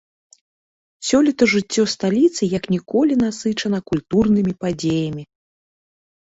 Сёлета жыццё сталіцы як ніколі насычана культурнымі падзеямі.